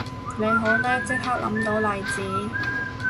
你好叻即刻諗到例子